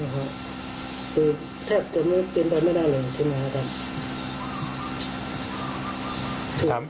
คือแทบจะเป็นไปไม่ได้เลยใช่ไหมครับท่าน